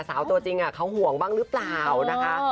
ตัวจริงเขาห่วงบ้างหรือเปล่านะคะ